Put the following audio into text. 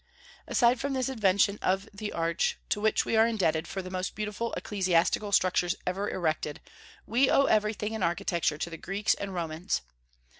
Aside from this invention of the arch, to which we are indebted for the most beautiful ecclesiastical structures ever erected, we owe everything in architecture to the Greeks and Romans.